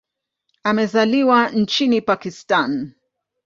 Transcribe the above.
Amezaliwa nchini Pakistan.